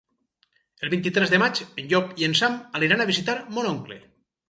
El vint-i-tres de maig en Llop i en Sam aniran a visitar mon oncle.